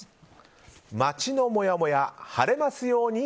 街のもやもや晴れますように！